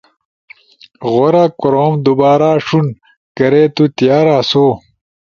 غورا کوروم دوبارا ݜون کرے تو تیار اسو